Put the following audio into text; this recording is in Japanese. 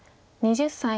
２０歳。